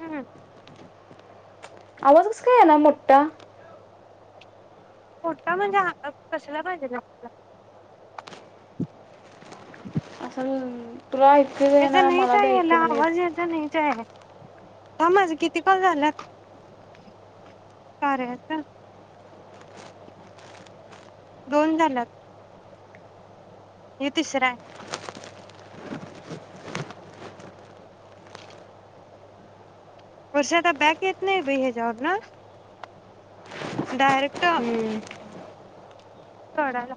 हम्म आवाज कस काय यालय मोठा? फोट का म्हणजे कशाला पाहिजे नेमक, अससल ज नाहीच हेला आवाज येचा नाही आहे थांब माझे किती कॉल झाल्यात दोन झाल्यात यु तिसरा हाय वरशे आता बॅक येत नाही ब हे च्या वरण डायरेक्ट हम्म. सरला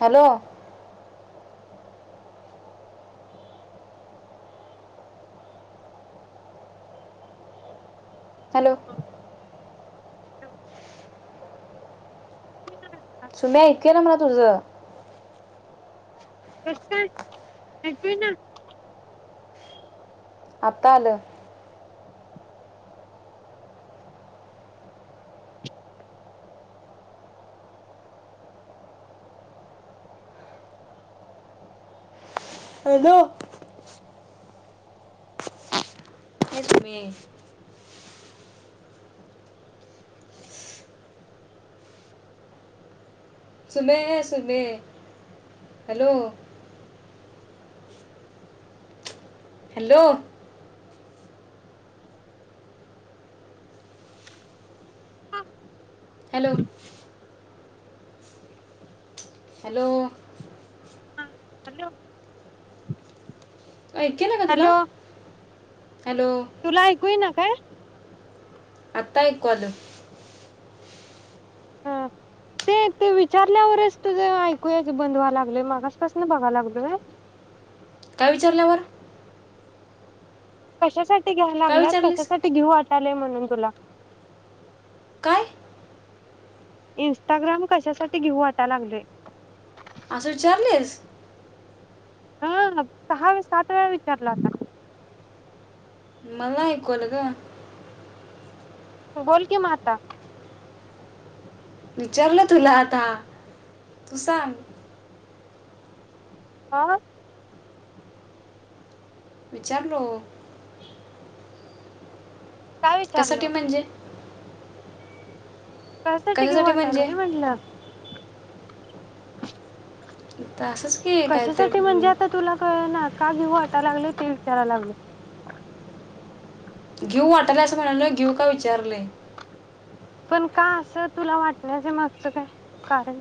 हॅलो हॅलो सुमे ऐकू ईना मला तुज कस काय ऐकू येना आता आलं. हॅलो ए सुमे सुमे सुमे hello hello hello hello hello ऐकु येना का तुला हॅलो हॅलो तुला ऐकू येईना काय ता ऐकु आल हा ते ते विचारल्यावरच तुझं ऐकूयायचं बंद व्हायला लागलय मागसपासून बघा लागलोय काय विचारल्यावर कशासाठी घ्याला काय लागल्या विचारलीस कसाठी घेऊ वाट लेय म्हणून तुला काय इं्स्टाग्राम कशासाठी घेऊ वाटाय लागलेय अस विचारलीस हा सहा-सात वेळा विचारला आता मला नाही ऐकु आल गं बोल की मग आता विचारलं तुला आता तू सांग आा विचारलो काय विचारलं कशासाठी म्हणजे काशासाठी घेऊ कशासाठी वाटाला म्हणजे म्हटलं ह कशासाठी म्हणजे आता तुला कळणात का घेऊ वाटा लागले ते विचाराय लागलोय घेऊ वाटलय असं म्हणाल नाही घेऊ का विचारलय पण का असं तुला वाटण्याच मागचं काय कारण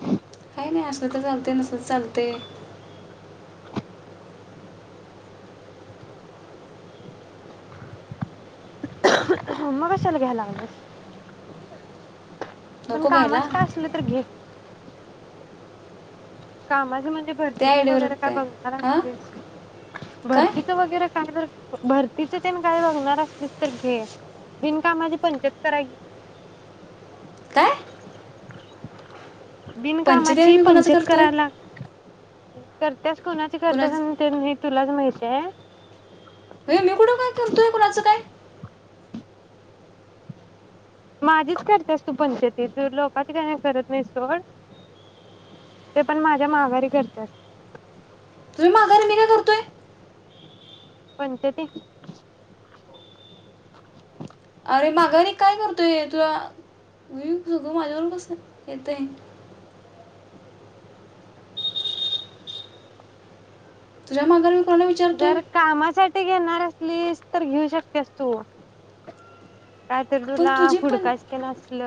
ह काही नाही असलं तर चालतयं नसल तर चालतयं मग कशाला घ्यायला लागल्यास पण नको घ्यायला कामच काय असलं तर घे [unintelligible] कामाच म्हण त्या भरतीच आयडियावर वगैरे काय बघणार हां असलीस काय भरतीच वगैरे काही भरतीच तेन काही बघणार असलीस तर घे बनकामाची पंचायत कराय घेऊ काय नकोस पंचक्रिया बिनकामाची मी कोणाचं पंचाय करतोय कराला करत्यास कोणाची करतेस कुणाच तेन माहित तुलाच माहिती आहे तू आहे कुणाचं काय माझीच करतेस तू पंचायतीस तू लोकची काही नाही करत नाही सोड ते पण माझ्या माघारी करतेस तुम्ही माघारी मी काय करतोय पंचायती अरे माघारी काय करतो. तुला मी सगळं माझ्यावर कस येतय जमा करून. जर कामासाठी घेणार? तर घेऊ शकतेस तू. काय तर पण तुला तुझी पण हुडकाचक नसल.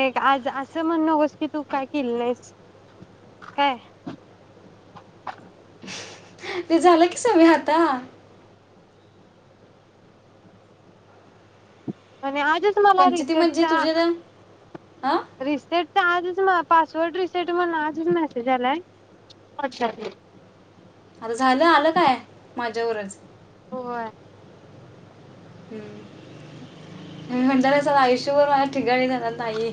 एक आज असं म्हणणकोस की तू काय किल्लंस काय. ते झालं की सवय आता. आणि आ म्हण मला रि पंचती र म्हणजे तुझे हां [unintelligible] आजच पासवर्ड रिसेट म्हणून आजच मेसेज आलाय व्हट्सअप आता झालं आलं काय माझ्यावरच हो हम् म्हणट रे चला आयुष्यभर माझ्या ठिकाणी झाला नाही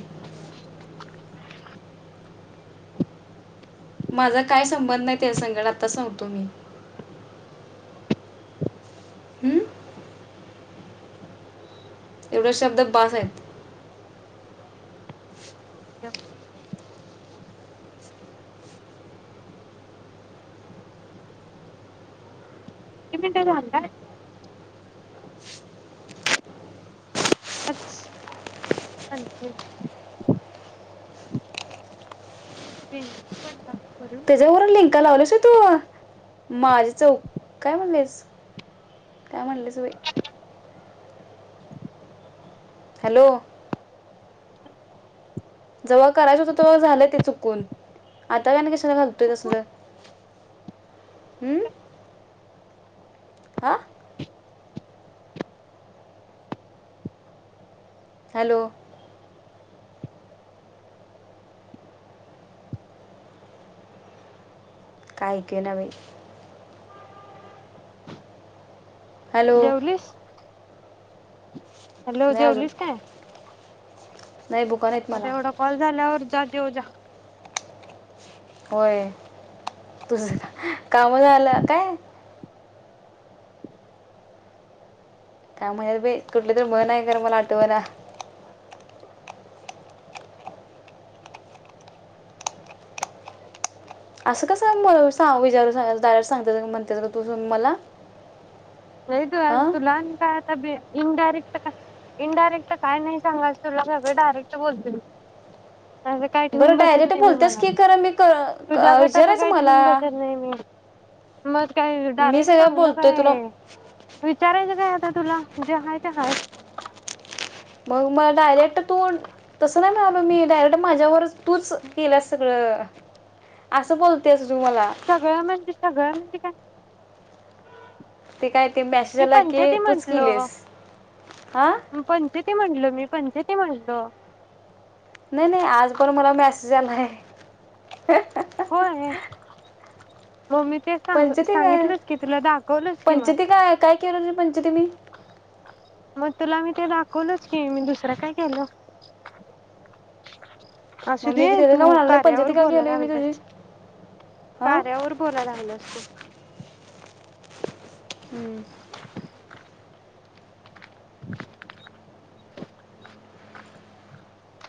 माझा काय संबंध नाहीत या संगाण आता सांगतो मी हम्म? एवढा शब्द बास आहेत ज कमट होत [unintelligible] अच [unintelligible] भे पण ना. त्याच्यावरून लिंक लावल्यास तू. माझे चौक काय म्हणलेस, काय म्हणलेसई. हॅलो. जव्हा करायच होत तेव्हा झालं ते चुकून आता काय ल गेच. कशाला घालतोय तसलं. हम्म हा हॅलो. काय ऐक ना बाई. हॅलो जेवलीस. [inaudible] हॅलो नाही अजून जेवलीस काय. नाही बुका नाहीत आता मला एवढा कॉल झाल्यावर जा. जेव जा. होय तुझ हा हं काम झा आलं काय. काय म्हणत कुठली तररी म्हण आहे. कर मला आठवला. असं कस मला सा विचार सा डायरेक्ट सांगत म्हणत्या स ग तू मला. होय हां तुलाान का. तब्ये इनडायरेक्ट इनडायरेक्ट काय, नाही सांगायच तुला सगळं डायरेक्ट बोलतील. असं काय ठेवून बरं बसत डायरेक्ट नाही, मी बोलतेस मला की खरं मी कर क- तुज्यागत असं विचारायचं काय ठेवून मला बसत नाही मी. मग काय मी डायरेक्ट सगळ सांगणं बोलतोय तुला. [inaudible] काय विचारायचं काय आता तुला, जे हाय ते हाय. मग म डायरेक्ट तू तस नाही, म म्मी डायरेक्ट. माझ्यावरच तूच केलास सगळं अस बोलते. सगळं म्हणजे. सगळं म्हणजे काय. ते काय. ते मी मॅसेजला की पंचायती तूच म्हंटलो केलीस हा. ते म्हणलो मी पंचायती ते म्हणल. नाही नाही आज पण मला म्या जा नाही. होय. हो मी ते सांग पंचती काय सांगितलंच की तुला दाखवलच की मग पंचायती मी मग तुला मी ते दाखवूनच की मी दुसरं काय केलं मग असं दे मी तिथे तू का म्हणाल नाही पंचायती कार्यावर का बोलाय केली मी तुझी लागलास हां कार्यावर बोलाय लागलस तू हम्म [unintelligible]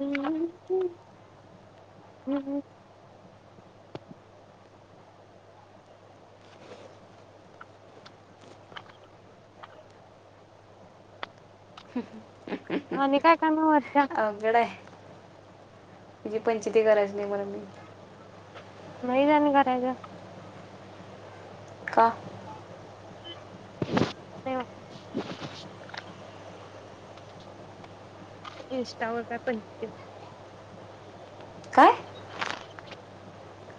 हम्म ह् हम्म हम् ह आणि काय काण अवघड आहे तुझे पंचायती करायची नाही मला नाही जाणी कयच का आ नाही [unintelligible] इंस्टावर काय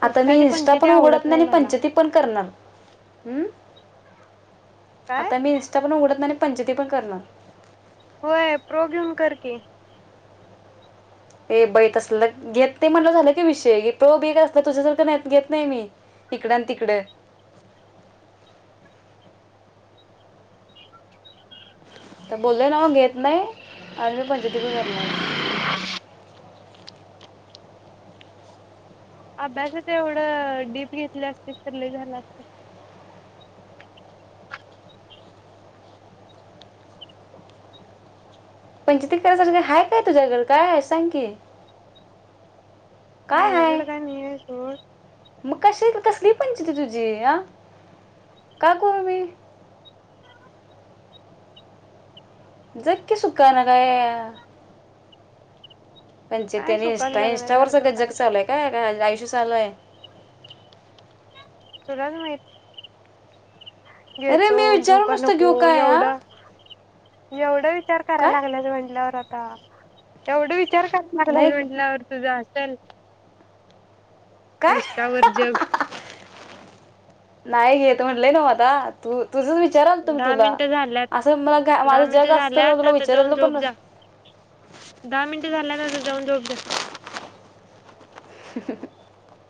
आता मी इंस्टाची इनस्टा पंचायती पण उघडत आवडत नाही आणि मला पंचती पण करणार... हम्म काय आता मी इन्स्टा उघडत नाही पंचवटी पण करणार नाही होय प्रोब्यम करते हे बैत असल घेत नाही म्हटलं झालं कि विषय प्र बीग असला तुझ्यासारखं नाही घेत नाही मी इकड आणि तिकडे तर बोललय ना म घेत नाही आणि मी पंचती पण करणार.. अभ्यास ते एवढं डीप घेतली असते तर लय झाला असते. पंचती करायसारखे ह काय तुझ्याकड काय सांग की काय हाय माझ्याकडे काय नाही आहे सोड मग कश त कस [unintelligible] का करू मी? जग की सुखाने काय- म्हणजे काय त्यांनी सुकान इंस्टा इंस्टावर जगण्यासारखं सगळं जग काय चाललंय का आयुष- [unintelligible] तुलाच माहीत. अरे घेतो मी घेऊ विचारून का नुसतं नको घेऊ काय हा एवढा- एवढं- विचार काय करायला लागला म्हनल्यावर- हां, एवढं विच- विचार करणारा भाऊ ए नाही म्हटल्यावर [unintelligible] तर- काय इंस्टावर जग- नाही घेत म्हटलंय ना आता तू- तुझंच विचाराल तुम्ही दहा तुला मिनिटं झाल्यात. असं मला घा- दहा माझं जग मिनिटं असतं तर झाल्यात तुला आता जाऊन विचारलं पण झोप जा. नसतं दहा मिनट झाल्यात आता जाऊन झोप जा. [unintelligible]